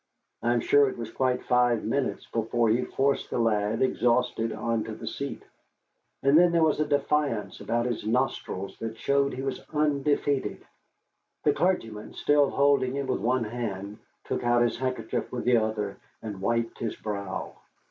I am sure it was quite five minutes before he forced the lad, exhausted, on to the seat. And then there was a defiance about his nostrils that showed he was undefeated. The clergyman, still holding him with one hand, took out his handkerchief with the other and wiped his brow.